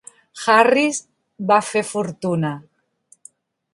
Harris va fer fortuna.